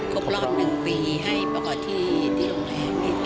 คบรอบหนึ่งปีให้พ่อที่โรงแรม